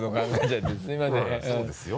うんそうですよ。